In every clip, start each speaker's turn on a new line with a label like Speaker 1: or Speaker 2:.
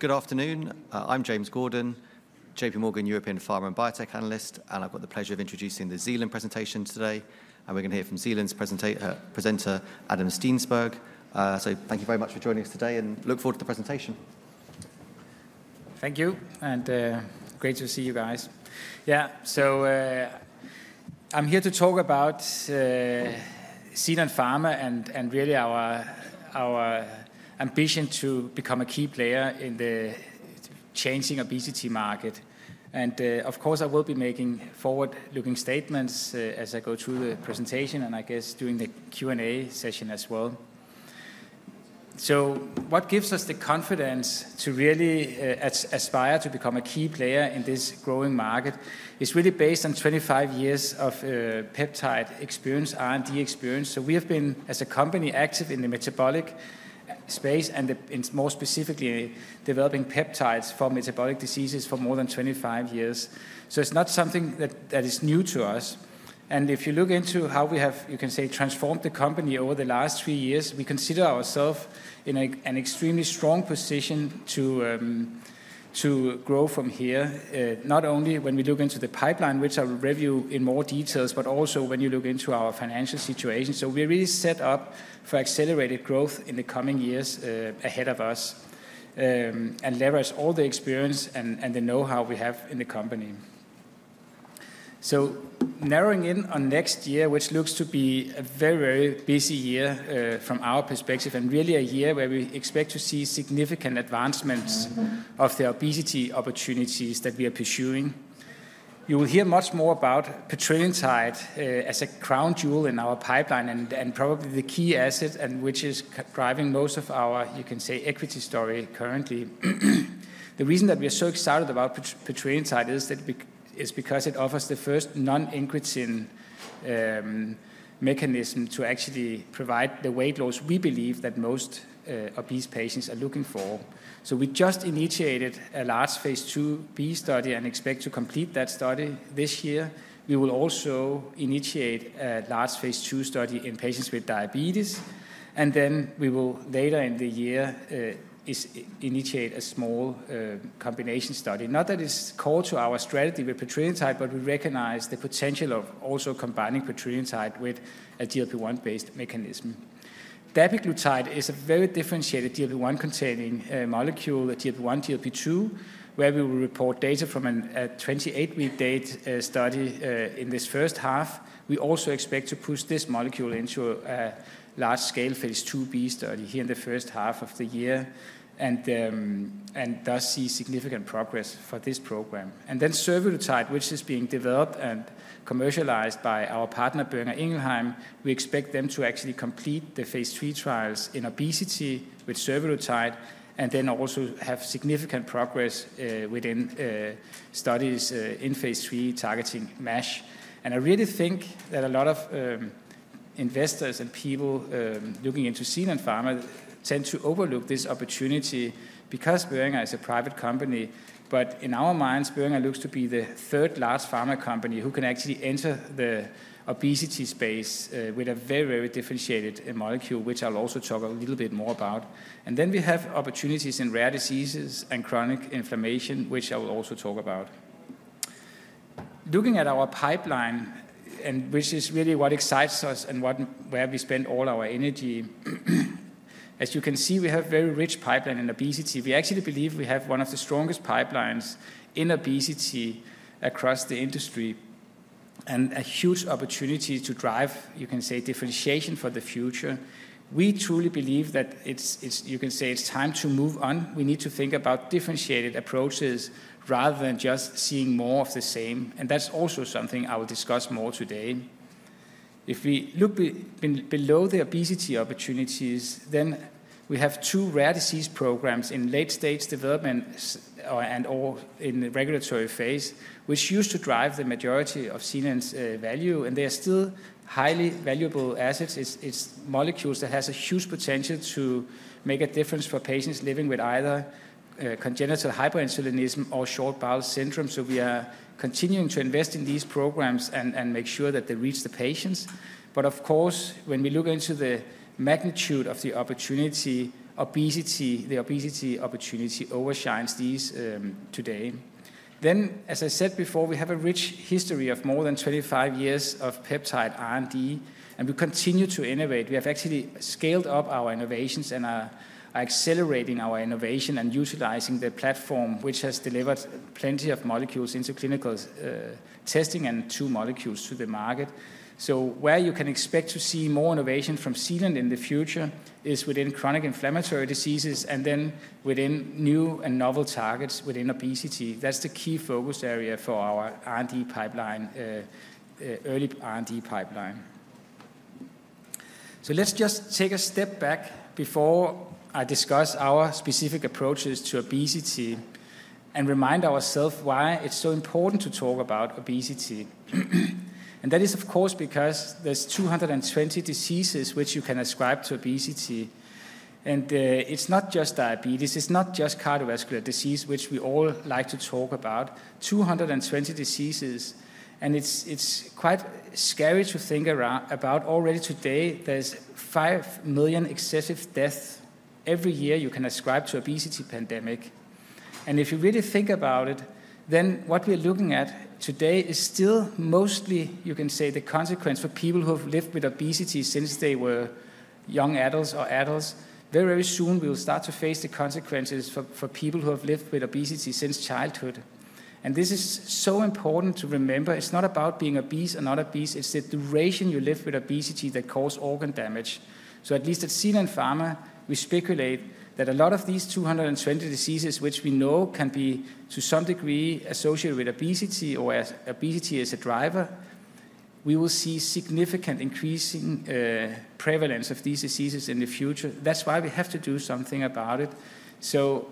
Speaker 1: Good afternoon. I'm James Gordon, JPMorgan European Pharma and Biotech Analyst, and I've got the pleasure of introducing the Zealand presentation today, and we're going to hear from Zealand's presenter, Adam Steensberg, so thank you very much for joining us today, and look forward to the presentation.
Speaker 2: Thank you, and great to see you guys. Yeah, so I'm here to talk about Zealand Pharma and really our ambition to become a key player in the changing obesity market, and of course, I will be making forward-looking statements as I go through the presentation and I guess during the Q&A session as well, so what gives us the confidence to really aspire to become a key player in this growing market is really based on 25 years of peptide experience, R&D experience, so we have been, as a company, active in the metabolic space and more specifically developing peptides for metabolic diseases for more than 25 years, so it's not something that is new to us. And if you look into how we have, you can say, transformed the company over the last three years, we consider ourselves in an extremely strong position to grow from here, not only when we look into the pipeline, which I will review in more detail, but also when you look into our financial situation. So we're really set up for accelerated growth in the coming years ahead of us and leverage all the experience and the know-how we have in the company. So narrowing in on next year, which looks to be a very, very busy year from our perspective, and really a year where we expect to see significant advancements of the obesity opportunities that we are pursuing. You will hear much more about petrelintide as a crown jewel in our pipeline and probably the key asset which is driving most of our, you can say, equity story currently. The reason that we are so excited about petrelintide is because it offers the first non-incretin mechanism to actually provide the weight loss we believe that most obese patients are looking for. So we just initiated a large Phase 2b study and expect to complete that study this year. We will also initiate a large Phase 2 study in patients with diabetes. And then we will, later in the year, initiate a small combination study. Not that it's core to our strategy with petrelintide, but we recognize the potential of also combining petrelintide with a GLP-1-based mechanism. Dapiglutide is a very differentiated GLP-1 containing molecule, GLP-1, GLP-2, where we will report data from a 28-week data study in this first half. We also expect to push this molecule into a large-scale Phase 2b study here in the first half of the year and thus see significant progress for this program. Then survodutide, which is being developed and commercialized by our partner Boehringer Ingelheim, we expect them to actually complete the Phase 3 trials in obesity with survodutide and then also have significant progress within studies in Phase 3 targeting MASH. I really think that a lot of investors and people looking into Zealand Pharma tend to overlook this opportunity because Boehringer is a private company. But in our minds, Boehringer Ingelheim looks to be the third large pharma company who can actually enter the obesity space with a very, very differentiated molecule, which I'll also talk a little bit more about. And then we have opportunities in rare diseases and chronic inflammation, which I will also talk about. Looking at our pipeline, which is really what excites us and where we spend all our energy, as you can see, we have a very rich pipeline in obesity. We actually believe we have one of the strongest pipelines in obesity across the industry and a huge opportunity to drive, you can say, differentiation for the future. We truly believe that it's, you can say, it's time to move on. We need to think about differentiated approaches rather than just seeing more of the same. And that's also something I will discuss more today. If we look below the obesity opportunities, then we have two rare disease programs in late stage development and in the regulatory Phase, which used to drive the majority of Zealand's value, and they are still highly valuable assets. It's molecules that have a huge potential to make a difference for patients living with either congenital hyperinsulinism or short bowel syndrome, so we are continuing to invest in these programs and make sure that they reach the patients. But of course, when we look into the magnitude of the opportunity, the obesity opportunity outshines these today, then, as I said before, we have a rich history of more than 25 years of peptide R&D, and we continue to innovate. We have actually scaled up our innovations and are accelerating our innovation and utilizing the platform, which has delivered plenty of molecules into clinical testing and two molecules to the market. Where you can expect to see more innovation from Zealand in the future is within chronic inflammatory diseases and then within new and novel targets within obesity. That's the key focus area for our R&D pipeline, early R&D pipeline. Let's just take a step back before I discuss our specific approaches to obesity and remind ourselves why it's so important to talk about obesity. That is, of course, because there are 220 diseases which you can ascribe to obesity. It's not just diabetes. It's not just cardiovascular disease, which we all like to talk about. 220 diseases. It's quite scary to think about. Already today, there are five million excessive deaths every year you can ascribe to the obesity pandemic. If you really think about it, then what we're looking at today is still mostly, you can say, the consequence for people who have lived with obesity since they were young adults or adults. Very, very soon, we will start to face the consequences for people who have lived with obesity since childhood. This is so important to remember. It's not about being obese or not obese. It's the duration you live with obesity that causes organ damage. At least at Zealand Pharma, we speculate that a lot of these 220 diseases, which we know can be to some degree associated with obesity or obesity as a driver, we will see significant increasing prevalence of these diseases in the future. That's why we have to do something about it.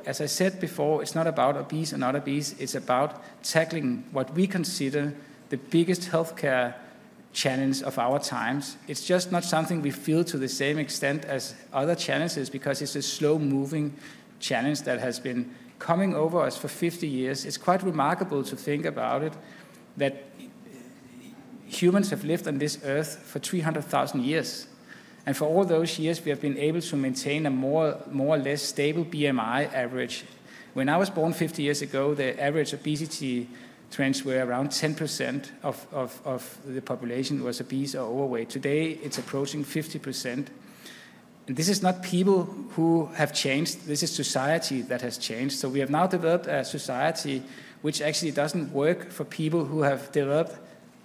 Speaker 2: As I said before, it's not about obese or not obese. It's about tackling what we consider the biggest healthcare challenge of our times. It's just not something we feel to the same extent as other challenges because it's a slow-moving challenge that has been coming over us for 50 years. It's quite remarkable to think about it that humans have lived on this earth for 300,000 years. And for all those years, we have been able to maintain a more or less stable BMI average. When I was born 50 years ago, the average obesity trends were around 10% of the population was obese or overweight. Today, it's approaching 50%. And this is not people who have changed. This is society that has changed. So we have now developed a society which actually doesn't work for people who have developed,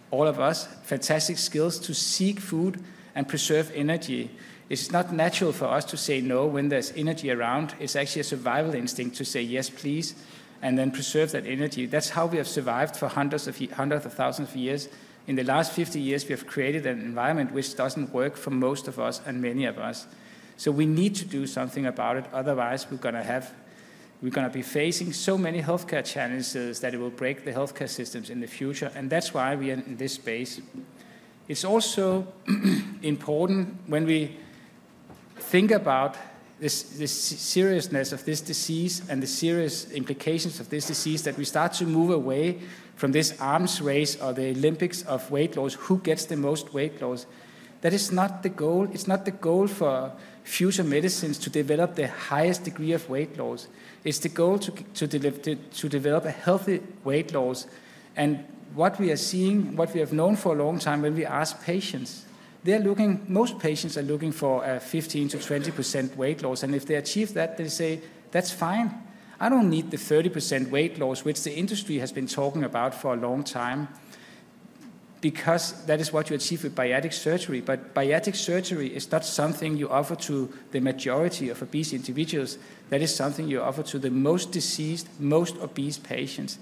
Speaker 2: all of us, fantastic skills to seek food and preserve energy. It's not natural for us to say no when there's energy around. It's actually a survival instinct to say yes, please, and then preserve that energy. That's how we have survived for hundreds of thousands of years. In the last 50 years, we have created an environment which doesn't work for most of us and many of us. So we need to do something about it. Otherwise, we're going to be facing so many healthcare challenges that it will break the healthcare systems in the future. And that's why we are in this space. It's also important when we think about the seriousness of this disease and the serious implications of this disease that we start to move away from this arms race or the Olympics of weight loss, who gets the most weight loss. That is not the goal. It's not the goal for future medicines to develop the highest degree of weight loss. It's the goal to develop a healthy weight loss. And what we are seeing, what we have known for a long time when we ask patients, they're looking. Most patients are looking for a 15%-20% weight loss. And if they achieve that, they say, that's fine. I don't need the 30% weight loss, which the industry has been talking about for a long time because that is what you achieve with bariatric surgery. But bariatric surgery is not something you offer to the majority of obese individuals. That is something you offer to the most diseased, most obese patients.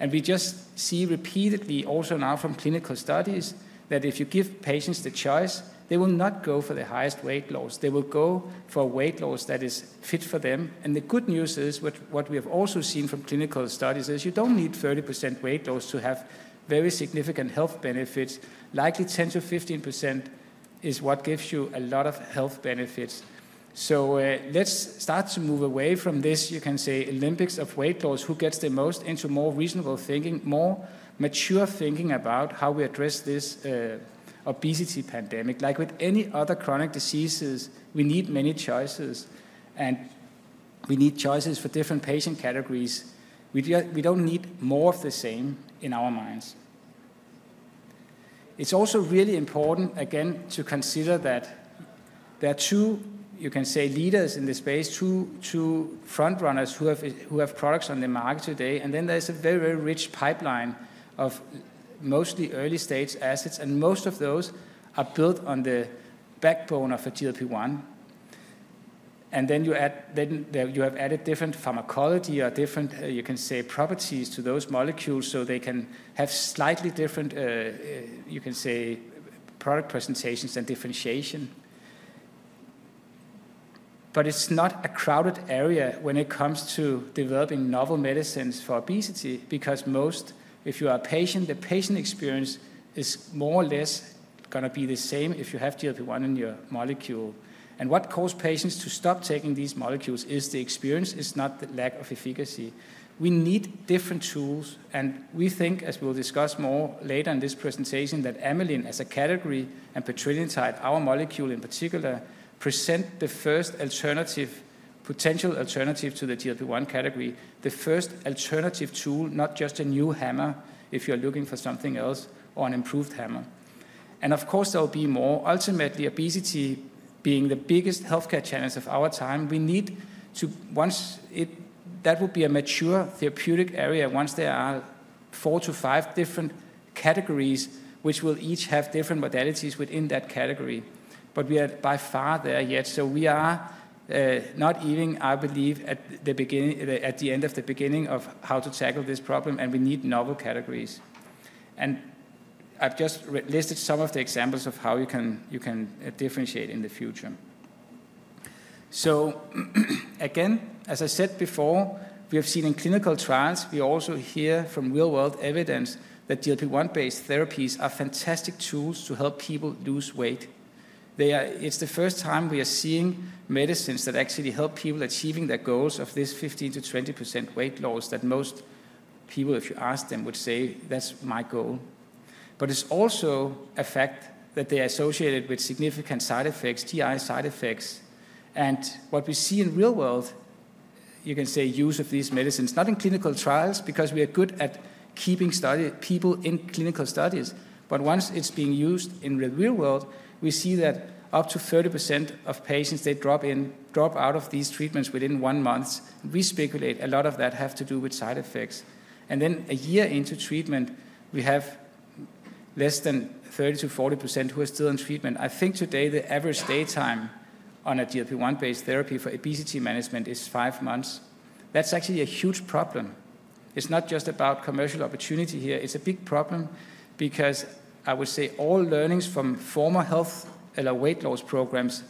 Speaker 2: And we just see repeatedly also now from clinical studies that if you give patients the choice, they will not go for the highest weight loss. They will go for a weight loss that is fit for them. And the good news is what we have also seen from clinical studies is you don't need 30% weight loss to have very significant health benefits. Likely 10%-15% is what gives you a lot of health benefits. So let's start to move away from this, you can say, Olympics of weight loss, who gets the most into more reasonable thinking, more mature thinking about how we address this obesity pandemic. Like with any other chronic diseases, we need many choices, and we need choices for different patient categories. We don't need more of the same in our minds. It's also really important, again, to consider that there are two, you can say, leaders in this space, two front runners who have products on the market today. Then there's a very, very rich pipeline of mostly early stage assets. Most of those are built on the backbone of a GLP-1. You have added different pharmacology or different, you can say, properties to those molecules so they can have slightly different, you can say, product presentations and differentiation. It's not a crowded area when it comes to developing novel medicines for obesity because most, if you are a patient, the patient experience is more or less going to be the same if you have GLP-1 in your molecule. What causes patients to stop taking these molecules is the experience, it's not the lack of efficacy. We need different tools. We think, as we'll discuss more later in this presentation, that amylin as a category and petrelintide, our molecule in particular, present the first alternative, potential alternative to the GLP-1 category, the first alternative tool, not just a new hammer if you're looking for something else or an improved hammer. Of course, there will be more. Ultimately, obesity being the biggest healthcare challenge of our time, we need to, once that will be a mature therapeutic area, once there are four to five different categories which will each have different modalities within that category. We are not by far there yet. We are not even, I believe, at the end of the beginning of how to tackle this problem. We need novel categories. I've just listed some of the examples of how you can differentiate in the future. So again, as I said before, we have seen in clinical trials, we also hear from real-world evidence that GLP-1-based therapies are fantastic tools to help people lose weight. It's the first time we are seeing medicines that actually help people achieving their goals of this 15%-20% weight loss that most people, if you ask them, would say, that's my goal. But it's also a fact that they are associated with significant side effects, GI side effects. And what we see in real world, you can say, use of these medicines, not in clinical trials because we are good at keeping people in clinical studies. But once it's being used in the real world, we see that up to 30% of patients, they drop out of these treatments within one month. We speculate a lot of that has to do with side effects. And then a year into treatment, we have less than 30%-40% who are still in treatment. I think today the average time on a GLP-1-based therapy for obesity management is five months. That's actually a huge problem. It's not just about commercial opportunity here. It's a big problem because I would say all learnings from former health and weight loss programs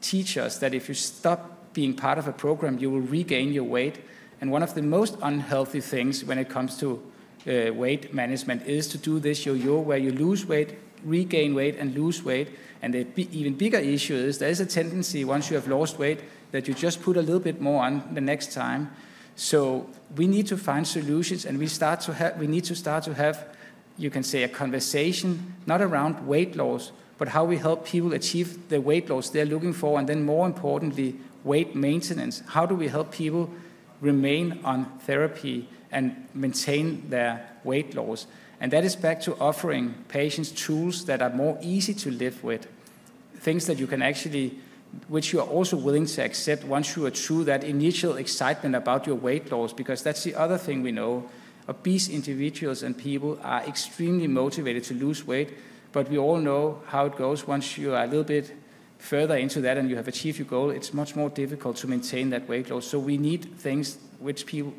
Speaker 2: teach us that if you stop being part of a program, you will regain your weight. And one of the most unhealthy things when it comes to weight management is to do this yo-yo where you lose weight, regain weight, and lose weight. And the even bigger issue is there is a tendency once you have lost weight that you just put a little bit more on the next time. So we need to find solutions. And we need to start to have, you can say, a conversation not around weight loss, but how we help people achieve the weight loss they're looking for. And then more importantly, weight maintenance. How do we help people remain on therapy and maintain their weight loss? And that is back to offering patients tools that are more easy to live with, things that you can actually, which you are also willing to accept once you are through that initial excitement about your weight loss because that's the other thing we know. Obese individuals and people are extremely motivated to lose weight. But we all know how it goes. Once you are a little bit further into that and you have achieved your goal, it's much more difficult to maintain that weight loss. So we need things which people,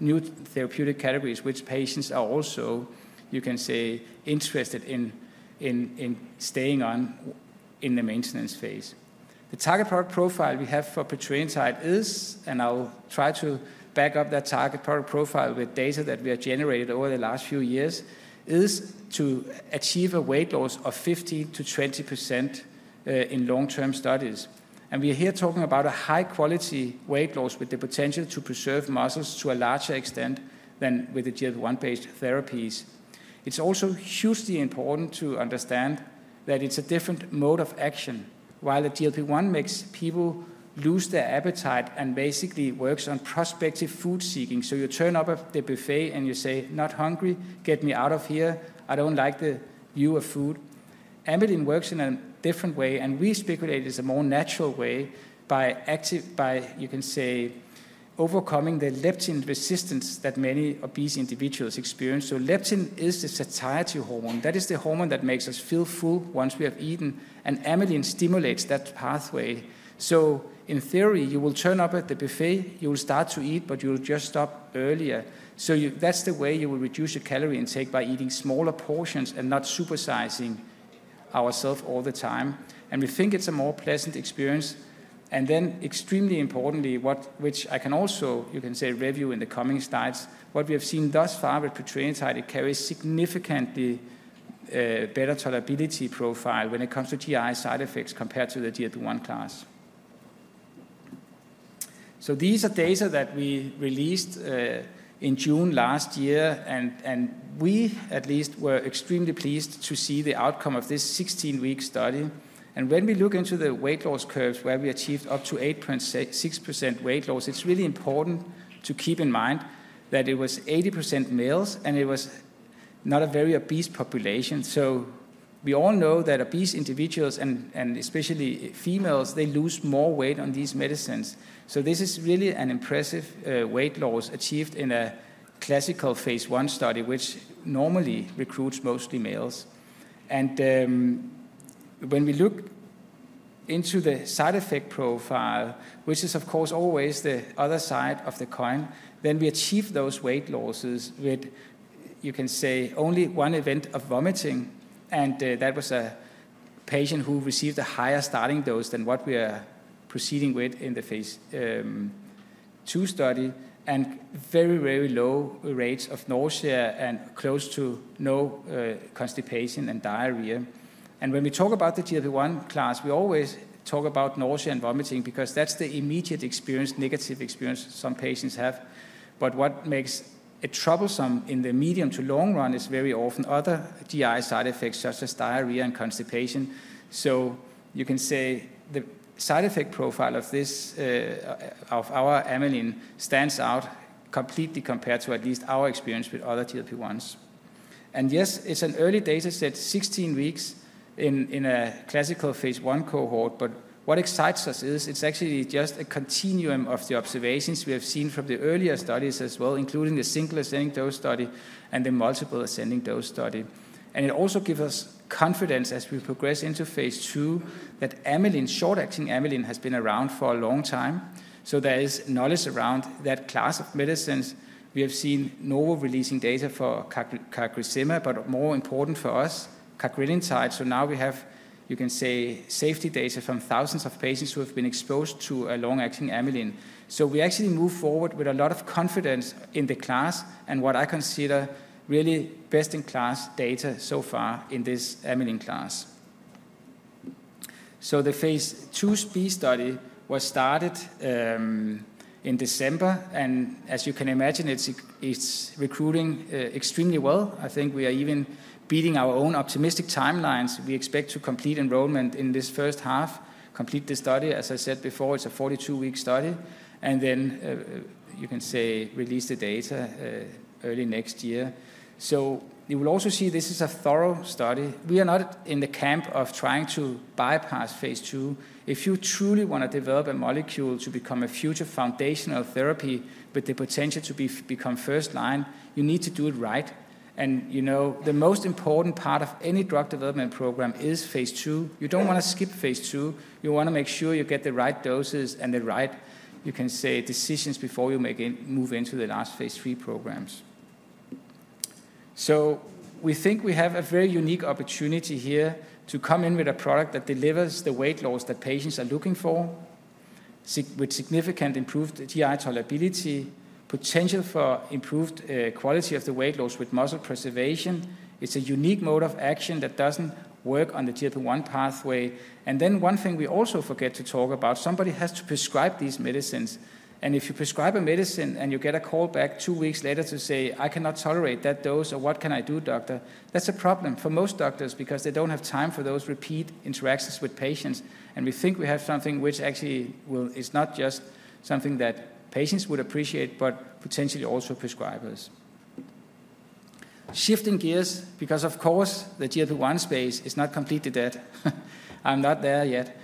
Speaker 2: new therapeutic categories which patients are also, you can say, interested in staying on in the maintenance Phase. The target product profile we have for petrelintide is, and I'll try to back up that target product profile with data that we have generated over the last few years, is to achieve a weight loss of 15%-20% in long-term studies. And we are here talking about a high-quality weight loss with the potential to preserve muscles to a larger extent than with the GLP-1-based therapies. It's also hugely important to understand that it's a different mode of action. While the GLP-1 makes people lose their appetite and basically works on prospective food seeking. So you turn up at the buffet and you say, not hungry, get me out of here. I don't like the view of food. Amylin works in a different way. And we speculate it is a more natural way by, you can say, overcoming the leptin resistance that many obese individuals experience. So leptin is the satiety hormone. That is the hormone that makes us feel full once we have eaten. And amylin stimulates that pathway. So in theory, you will turn up at the buffet, you will start to eat, but you will just stop earlier. So that's the way you will reduce your calorie intake by eating smaller portions and not supersizing ourselves all the time. And we think it's a more pleasant experience. And then extremely importantly, which I can also, you can say, review in the coming slides, what we have seen thus far with petrelintide, it carries significantly better tolerability profile when it comes to GI side effects compared to the GLP-1 class. These are data that we released in June last year. And we, at least, were extremely pleased to see the outcome of this 16-week study. And when we look into the weight loss curves where we achieved up to 8.6% weight loss, it's really important to keep in mind that it was 80% males and it was not a very obese population. So we all know that obese individuals, and especially females, they lose more weight on these medicines. So this is really an impressive weight loss achieved in a classical Phase one study, which normally recruits mostly males. And when we look into the side effect profile, which is of course always the other side of the coin, then we achieve those weight losses with, you can say, only one event of vomiting. And that was a patient who received a higher starting dose than what we are proceeding with in the Phase 2 study and very, very low rates of nausea and close to no constipation and diarrhea. And when we talk about the GLP-1 class, we always talk about nausea and vomiting because that's the immediate experience, negative experience some patients have. But what makes it troublesome in the medium to long run is very often other GI side effects such as diarrhea and constipation. So you can say the side effect profile of our amylin stands out completely compared to at least our experience with other GLP-1s. And yes, it's an early data set, 16 weeks in a classical Phase 1 cohort. What excites us is it's actually just a continuum of the observations we have seen from the earlier studies as well, including the single ascending dose study and the multiple ascending dose study. It also gives us confidence as we progress into Phase two that short-acting amylin has been around for a long time. There is knowledge around that class of medicines. We have seen normal releasing data for CagriSema, but more important for us, cagrilintide. Now we have, you can say, safety data from thousands of patients who have been exposed to a long-acting amylin. We actually move forward with a lot of confidence in the class and what I consider really best in class data so far in this amylin class. The Phase 2b study was started in December. As you can imagine, it's recruiting extremely well. I think we are even beating our own optimistic timelines. We expect to complete enrollment in this first half, complete the study. As I said before, it's a 42-week study, and then you can say release the data early next year, so you will also see this is a thorough study. We are not in the camp of trying to bypass Phase two. If you truly want to develop a molecule to become a future foundational therapy with the potential to become first line, you need to do it right, and the most important part of any drug development program is Phase two. You don't want to skip Phase two. You want to make sure you get the right doses and the right, you can say, decisions before you move into the last Phase three programs. So we think we have a very unique opportunity here to come in with a product that delivers the weight loss that patients are looking for with significant improved GI tolerability, potential for improved quality of the weight loss with muscle preservation. It's a unique mode of action that doesn't work on the GLP-1 pathway. And then one thing we also forget to talk about, somebody has to prescribe these medicines. And if you prescribe a medicine and you get a call back two weeks later to say, I cannot tolerate that dose or what can I do, doctor, that's a problem for most doctors because they don't have time for those repeat interactions with patients. And we think we have something which actually is not just something that patients would appreciate, but potentially also prescribers. Shifting gears because of course the GLP-1 space is not completely dead. I'm not there yet,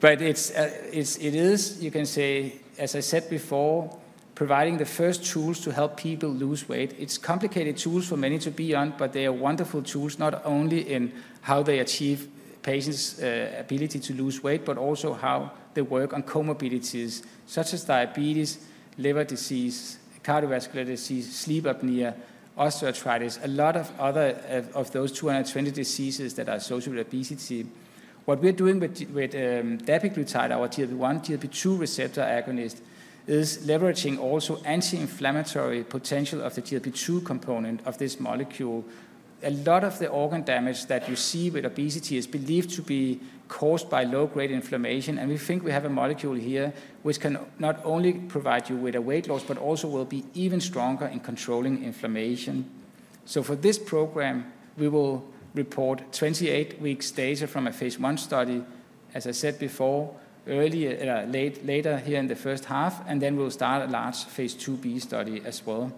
Speaker 2: but it is, you can say, as I said before, providing the first tools to help people lose weight. It's complicated tools for many to be on, but they are wonderful tools not only in how they achieve patients' ability to lose weight, but also how they work on comorbidities such as diabetes, liver disease, cardiovascular disease, sleep apnea, osteoarthritis, a lot of other of those 220 diseases that are associated with obesity. What we're doing with dapiglutide, our GLP-1, GLP-2 receptor agonist, is leveraging also anti-inflammatory potential of the GLP-2 component of this molecule. A lot of the organ damage that you see with obesity is believed to be caused by low-grade inflammation, and we think we have a molecule here which can not only provide you with a weight loss, but also will be even stronger in controlling inflammation. So for this program, we will report 28 weeks data from a Phase 1 study, as I said before, later here in the first half. And then we'll start a large Phase 2b study as well.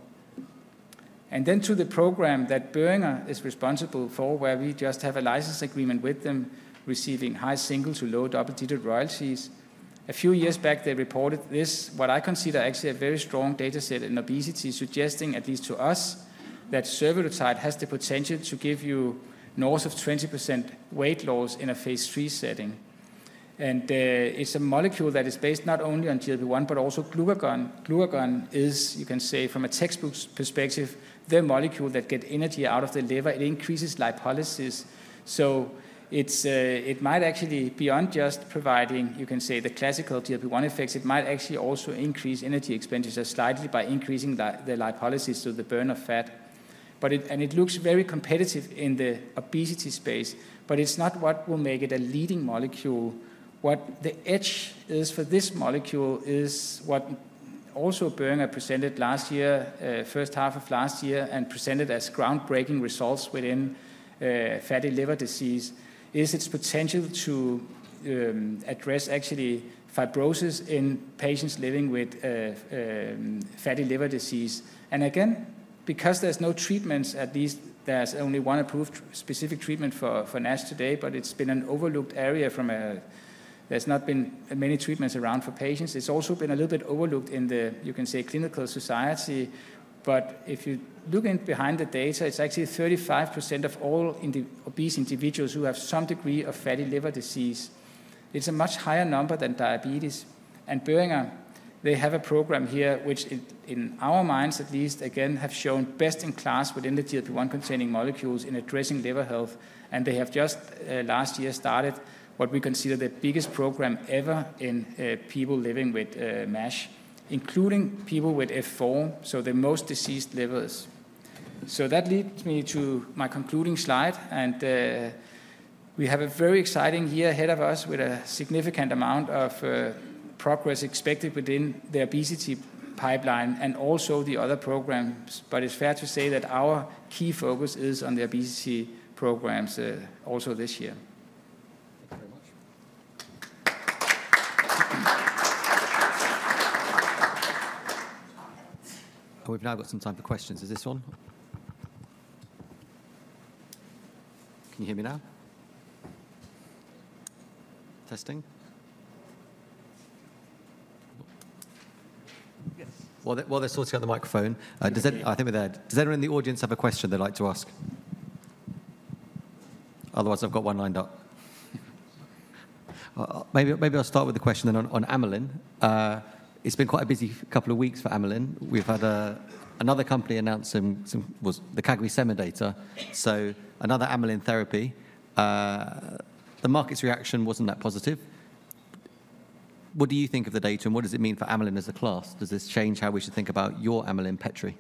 Speaker 2: And then to the program that Boehringer is responsible for, where we just have a license agreement with them receiving high single-digit to low double-digit royalties. A few years back, they reported this, what I consider actually a very strong data set in obesity, suggesting at least to us that survodutide has the potential to give you north of 20% weight loss in a Phase 3 setting. And it's a molecule that is based not only on GLP-1, but also glucagon. Glucagon is, you can say, from a textbook perspective, the molecule that gets energy out of the liver. It increases lipolysis. So it might actually beyond just providing, you can say, the classical GLP-1 effects. It might actually also increase energy expenditure slightly by increasing the lipolysis to the burn of fat. And it looks very competitive in the obesity space, but it's not what will make it a leading molecule. What the edge is for this molecule is what also Boehringer presented last year, first half of last year, and presented as groundbreaking results within fatty liver disease. It is its potential to address actually fibrosis in patients living with fatty liver disease. And again, because there's no treatments, at least there's only one approved specific treatment for NASH today, but it's been an overlooked area from a there's not been many treatments around for patients. It's also been a little bit overlooked in the, you can say, clinical society. But if you look in behind the data, it's actually 35% of all obese individuals who have some degree of fatty liver disease. It's a much higher number than diabetes. And Boehringer, they have a program here which, in our minds at least, again, have shown best in class within the GLP-1 containing molecules in addressing liver health. And they have just last year started what we consider the biggest program ever in people living with NASH, including people with F4, so the most diseased livers. So that leads me to my concluding slide. And we have a very exciting year ahead of us with a significant amount of progress expected within the obesity pipeline and also the other programs. But it's fair to say that our key focus is on the obesity programs also this year.
Speaker 1: Thank you very much. We've now got some time for questions. Is this one? Can you hear me now? Testing?
Speaker 2: Yes.
Speaker 1: While they're sorting out the microphone, I think with that, does anyone in the audience have a question they'd like to ask? Otherwise, I've got one lined up. Maybe I'll start with the question then on amylin. It's been quite a busy couple of weeks for amylin. We've had another company announce the CagriSema data, so another amylin therapy. The market's reaction wasn't that positive. What do you think of the data and what does it mean for amylin as a class? Does this change how we should think about your amylin petrelintide?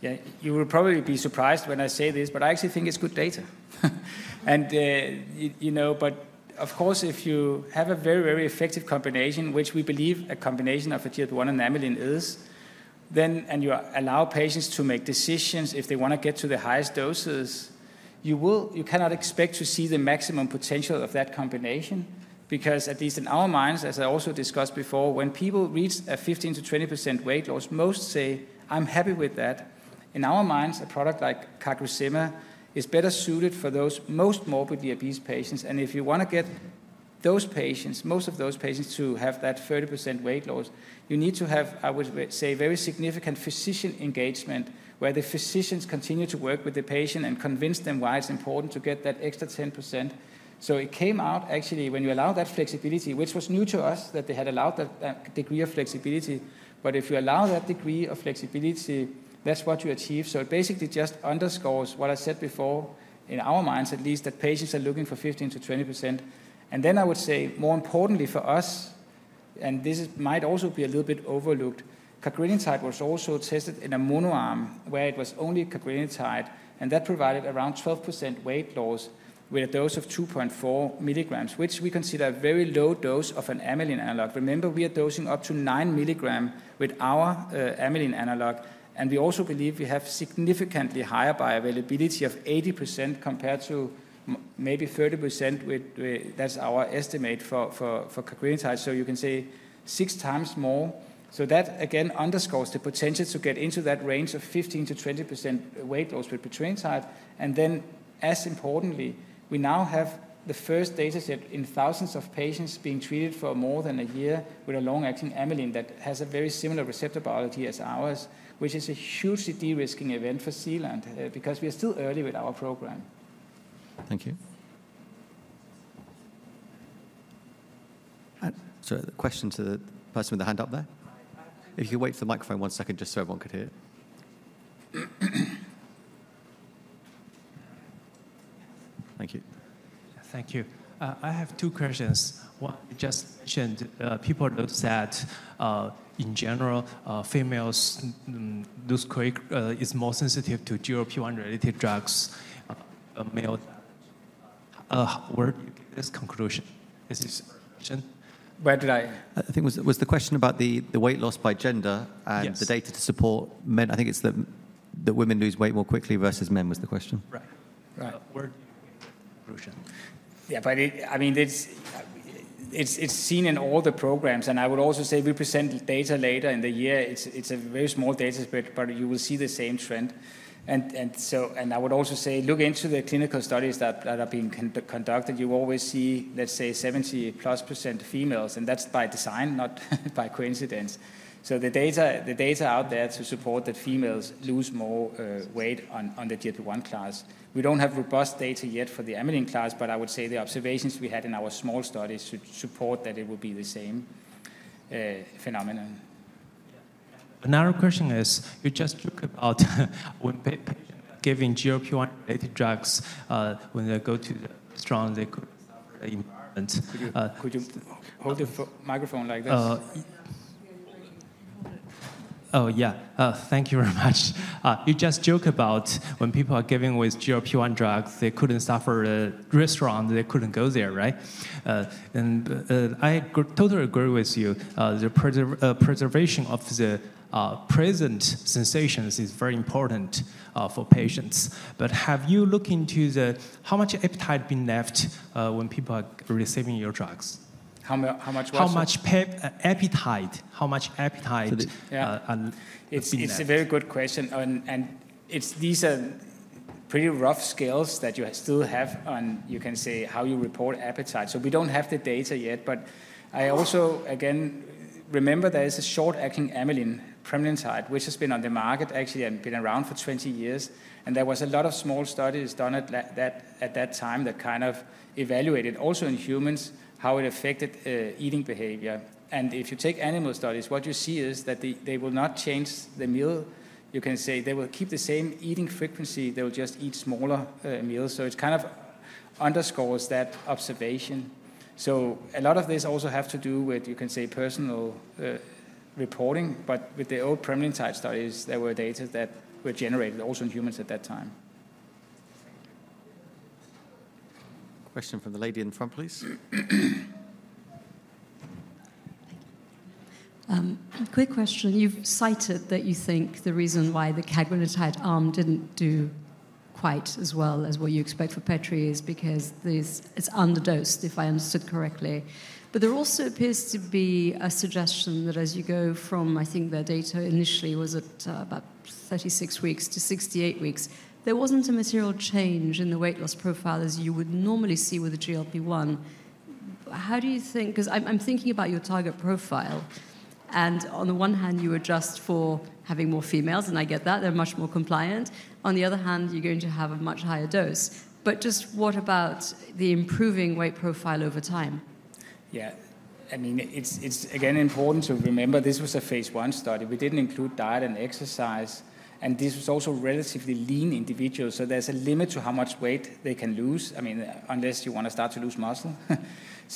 Speaker 2: Yeah, you will probably be surprised when I say this, but I actually think it's good data. You know, but of course, if you have a very, very effective combination, which we believe a combination of a GLP-1 and amylin is, then and you allow patients to make decisions if they want to get to the highest doses, you cannot expect to see the maximum potential of that combination because at least in our minds, as I also discussed before, when people reach a 15%-20% weight loss, most say, I'm happy with that. In our minds, a product like CagriSema is better suited for those most morbidly obese patients. And if you want to get those patients, most of those patients to have that 30% weight loss, you need to have, I would say, very significant physician engagement where the physicians continue to work with the patient and convince them why it's important to get that extra 10%. So it came out actually when you allow that flexibility, which was new to us that they had allowed that degree of flexibility. But if you allow that degree of flexibility, that's what you achieve. So it basically just underscores what I said before in our minds, at least that patients are looking for 15%-20%. And then I would say, more importantly for us, and this might also be a little bit overlooked, cagrilintide was also tested in a mono arm where it was only cagrilintide. And that provided around 12% weight loss with a dose of 2.4 milligrams, which we consider a very low dose of an amylin analog. Remember, we are dosing up to 9 milligrams with our amylin analog. And we also believe we have significantly higher bioavailability of 80% compared to maybe 30%. That's our estimate for cagrilintide. So you can say six times more. So that, again, underscores the potential to get into that range of 15%-20% weight loss with petrelintide. And then, as importantly, we now have the first data set in thousands of patients being treated for more than a year with a long-acting amylin that has a very similar receptor biology as ours, which is a hugely de-risking event for Zealand because we are still early with our program. Thank you.
Speaker 1: Sorry, the question to the person with the hand up there. If you could wait for the microphone one second just so everyone could hear it. Thank you. Thank you. I have two questions. One you just mentioned, people looked at in general, females look more sensitive to GLP-1 related drugs. Where do you get this conclusion? This is a question. Where did I? I think it was the question about the weight loss by gender and the data to support men. I think it's the women lose weight more quickly versus men was the question. Right. Right. Where do you get the conclusion?
Speaker 2: Yeah, but I mean, it's seen in all the programs. And I would also say we present data later in the year. It's a very small data, but you will see the same trend. And I would also say look into the clinical studies that are being conducted. You always see, let's say, 70-plus% females. And that's by design, not by coincidence. So the data out there to support that females lose more weight on the GLP-1 class. We don't have robust data yet for the amylin class, but I would say the observations we had in our small studies should support that it would be the same phenomenon.
Speaker 1: Another question is, you just talked about when patients are given GLP-1 related drugs, when they go to the restaurant, they couldn't suffer the environment.
Speaker 2: Could you hold the microphone like that?
Speaker 1: Oh, yeah. Thank you very much. You just joke about when people are given with GLP-1 drugs, they couldn't suffer the restaurant, they couldn't go there, right? And I totally agree with you. The preservation of the present sensations is very important for patients. But have you looked into how much appetite has been left when people are receiving your drugs? How much? How much appetite? How much appetite has been left?
Speaker 2: It's a very good question. And these are pretty rough scales that you still have on, you can say, how you report appetite. So we don't have the data yet. But I also, again, remember there is a short-acting amylin pramlintide, which has been on the market actually and been around for 20 years. And there were a lot of small studies done at that time that kind of evaluated also in humans how it affected eating behavior. And if you take animal studies, what you see is that they will not change the meal. You can say they will keep the same eating frequency. They will just eat smaller meals. So it kind of underscores that observation. So a lot of this also has to do with, you can say, personal reporting. But with the old pramlintide studies, there were data that were generated also in humans at that time.
Speaker 1: Question from the lady in front, please.
Speaker 3: Quick question. You've cited that you think the reason why the cagrilintide arm didn't do quite as well as what you expect for petrelintide is because it's underdosed, if I understood correctly. But there also appears to be a suggestion that as you go from, I think their data initially was at about 36 weeks to 68 weeks, there wasn't a material change in the weight loss profile as you would normally see with the GLP-1. How do you think? Because I'm thinking about your target profile, and on the one hand, you adjust for having more females, and I get that. They're much more compliant. On the other hand, you're going to have a much higher dose, but just what about the improving weight profile over time?
Speaker 2: Yeah. I mean, it's again important to remember this was a Phase 1 study. We didn't include diet and exercise, and this was also relatively lean individuals. So there's a limit to how much weight they can lose, I mean, unless you want to start to lose muscle.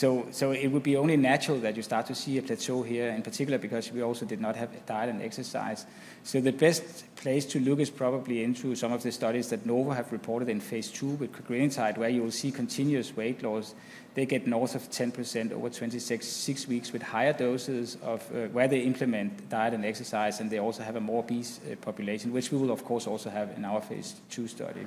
Speaker 2: It would be only natural that you start to see a plateau here in particular because we also did not have diet and exercise. The best place to look is probably into some of the studies that Novo have reported in Phase two with cagrilintide, where you will see continuous weight loss. They get north of 10% over 26 weeks with higher doses of where they implement diet and exercise, and they also have a more obese population, which we will of course also have in our Phase two study.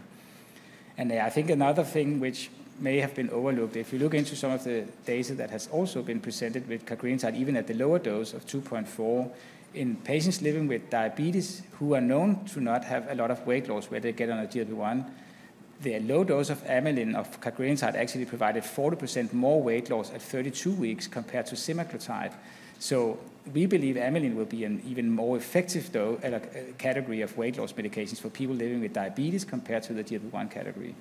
Speaker 2: I think another thing which may have been overlooked, if you look into some of the data that has also been presented with cagrilintide, even at the lower dose of 2.4 in patients living with diabetes who are known to not have a lot of weight loss where they get on a GLP-1, the low dose of amylin of cagrilintide actually provided 40% more weight loss at 32 weeks compared to semaglutide. We believe amylin will be an even more effective though category of weight loss medications for people living with diabetes compared to the GLP-1 category.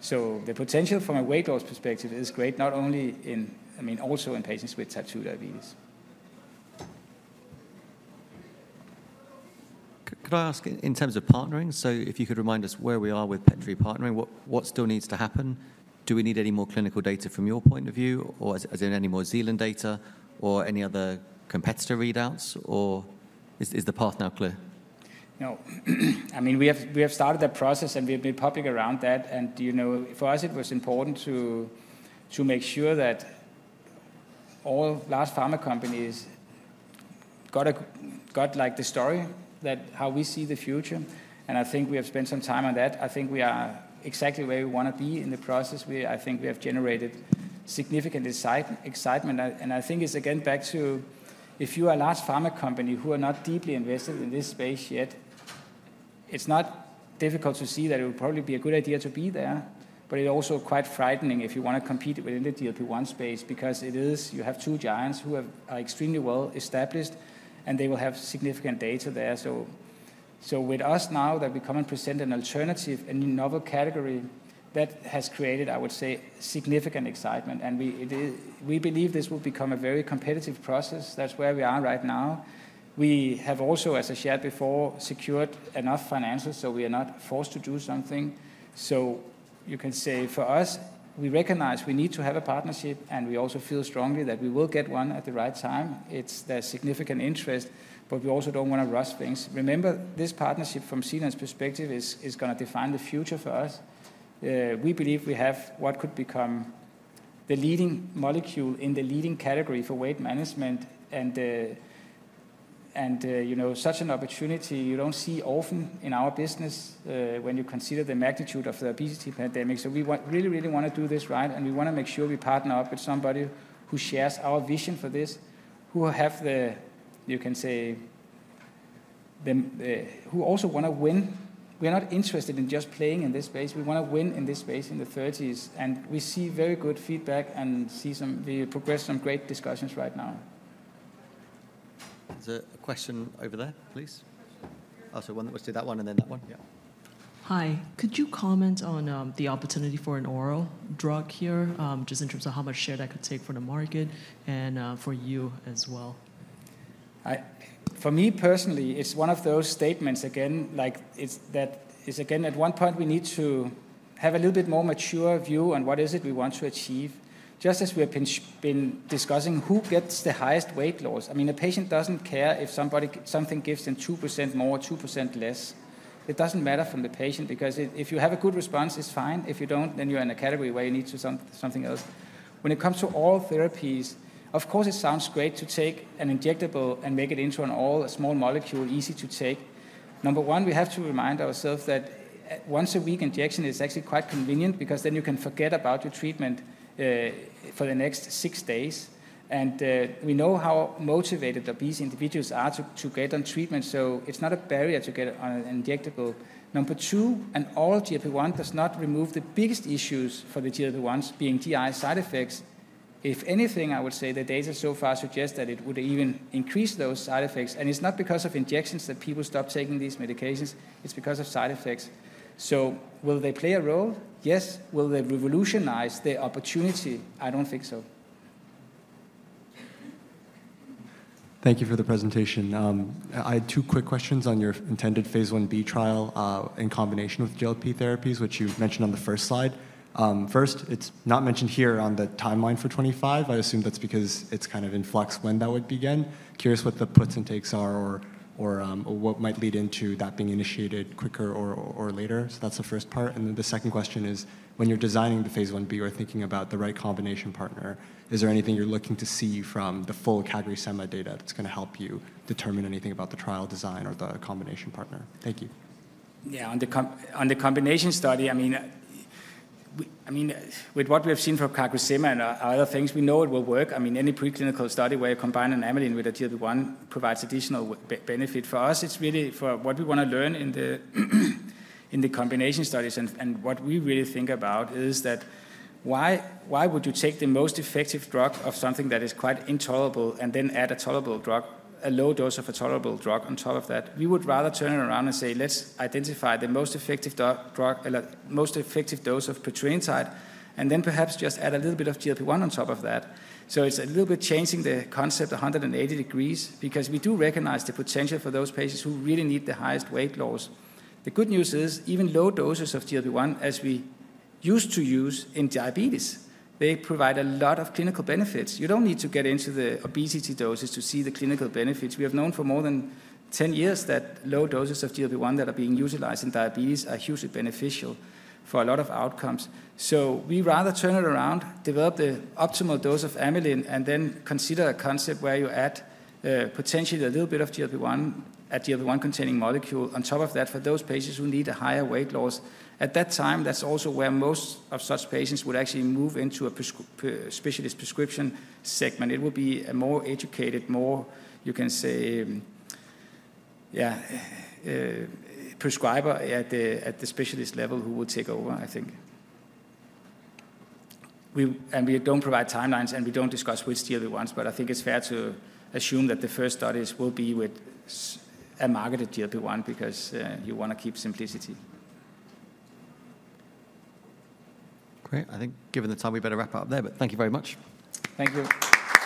Speaker 2: The potential from a weight loss perspective is great, not onlyin, I mean, also in patients with type 2 diabetes.
Speaker 1: Could I ask in terms of partnering? If you could remind us where we are with petrelintide partnering, what still needs to happen? Do we need any more clinical data from your point of view, or is there any more Zealand data or any other competitor readouts, or is the path now clear?
Speaker 2: No, I mean, we have started the process and we've been pumping around that, and for us, it was important to make sure that all large pharma companies got like the story that how we see the future, and I think we have spent some time on that. I think we are exactly where we want to be in the process. I think we have generated significant excitement, and I think it's again back to if you are a large pharma company who are not deeply invested in this space yet, it's not difficult to see that it would probably be a good idea to be there. But it's also quite frightening if you want to compete within the GLP-1 space because it is you have two giants who are extremely well established and they will have significant data there. So with us now that we come and present an alternative, a new novel category that has created, I would say, significant excitement. And we believe this will become a very competitive process. That's where we are right now. We have also, as I shared before, secured enough financials so we are not forced to do something. So you can say for us, we recognize we need to have a partnership and we also feel strongly that we will get one at the right time. It's the significant interest, but we also don't want to rush things. Remember, this partnership from Zealand's perspective is going to define the future for us. We believe we have what could become the leading molecule in the leading category for weight management. And such an opportunity you don't see often in our business when you consider the magnitude of the obesity pandemic. So we really, really want to do this right. And we want to make sure we partner up with somebody who shares our vision for this, who have the, you can say, who also want to win. We're not interested in just playing in this space. We want to win in this space in the 30s. And we see very good feedback and see some progress, some great discussions right now.
Speaker 1: There's a question over there, please. Oh, so one that was to that one and then that one. Yeah.
Speaker 3: Hi. Could you comment on the opportunity for an oral drug here just in terms of how much share that could take for the market and for you as well?
Speaker 2: For me personally, it's one of those statements again, like it's again at one point we need to have a little bit more mature view on what is it we want to achieve. Just as we have been discussing who gets the highest weight loss. I mean, a patient doesn't care if something gives them 2% more or 2% less. It doesn't matter to the patient because if you have a good response, it's fine. If you don't, then you're in a category where you need something else. When it comes to oral therapies, of course, it sounds great to take an injectable and make it into an oral, a small molecule, easy to take. Number one, we have to remind ourselves that once a week injection is actually quite convenient because then you can forget about your treatment for the next six days, and we know how motivated obese individuals are to get on treatment, so it's not a barrier to get on an injectable. Number two, an oral GLP-1 does not remove the biggest issues for the GLP-1s being GI side effects. If anything, I would say the data so far suggests that it would even increase those side effects, and it's not because of injections that people stop taking these medications. It's because of side effects, so will they play a role? Yes. Will they revolutionize the opportunity? I don't think so.
Speaker 1: Thank you for the presentation. I had two quick questions on your intended Phase one B trial in combination with GLP therapies, which you mentioned on the first slide. First, it's not mentioned here on the timeline for 25. I assume that's because it's kind of in flux when that would begin. Curious what the puts and takes are or what might lead into that being initiated quicker or later. So that's the first part. And then the second question is, when you're designing the Phase 1b or thinking about the right combination partner, is there anything you're looking to see from the full CagriSema data that's going to help you determine anything about the trial design or the combination partner? Thank you.
Speaker 2: Yeah. On the combination study, I mean, with what we have seen from CagriSema and other things, we know it will work. I mean, any preclinical study where you combine an amylin with a GLP-1 provides additional benefit for us. It's really for what we want to learn in the combination studies. What we really think about is that why would you take the most effective drug of something that is quite intolerable and then add a tolerable drug, a low dose of a tolerable drug on top of that? We would rather turn it around and say, let's identify the most effective drug, most effective dose of petrelintide, and then perhaps just add a little bit of GLP-1 on top of that. So it's a little bit changing the concept 180 degrees because we do recognize the potential for those patients who really need the highest weight loss. The good news is even low doses of GLP-1, as we used to use in diabetes, they provide a lot of clinical benefits. You don't need to get into the obesity doses to see the clinical benefits. We have known for more than 10 years that low doses of GLP-1 that are being utilized in diabetes are hugely beneficial for a lot of outcomes. So we rather turn it around, develop the optimal dose of amylin, and then consider a concept where you add potentially a little bit of GLP-1, a GLP-1 containing molecule on top of that for those patients who need a higher weight loss. At that time, that's also where most of such patients would actually move into a specialist prescription segment. It will be a more educated, more, you can say, yeah, prescriber at the specialist level who will take over, I think. And we don't provide timelines and we don't discuss which GLP-1s, but I think it's fair to assume that the first studies will be with a marketed GLP-1 because you want to keep simplicity.
Speaker 1: Great. I think given the time, we better wrap up there. But thank you very much.
Speaker 2: Thank you.